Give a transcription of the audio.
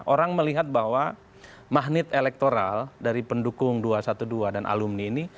orang melihat bahwa magnet elektoral dari pendukung dua ratus dua belas dan alumni ini